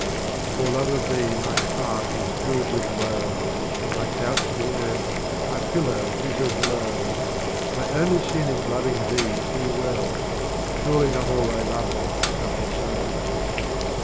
26. For Love of Thee my Heart is filled with Woe, My Couch the Earth, my Pillow is as low. My only Sin is loving thee too well. Surely not all thy Lovers suffer so